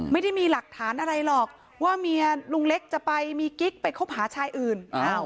ไม่ได้มีหลักฐานอะไรหรอกว่าเมียลุงเล็กจะไปมีกิ๊กไปคบหาชายอื่น